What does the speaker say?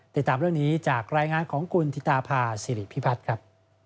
ติดตามเรื่องนี้จากรายงานของคุณธิตาภาษิริพิพัฒน์ครับ